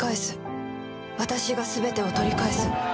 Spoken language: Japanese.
私がすべてを取り返す。